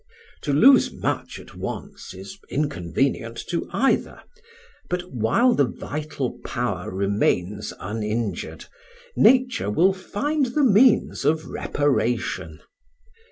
To lose much at once is inconvenient to either, but while the vital power remains uninjured, nature will find the means of reparation.